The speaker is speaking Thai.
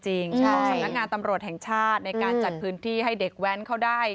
สำนักงานตำรวจแห่งชาติในการจัดพื้นที่ให้เด็กแว้นเขาได้